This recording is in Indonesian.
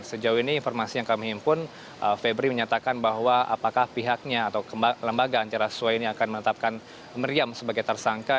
sejauh ini informasi yang kami himpun febri menyatakan bahwa apakah pihaknya atau lembaga antiraswa ini akan menetapkan meriam sebagai tersangka